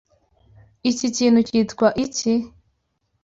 Iki kintu cyitwa iki?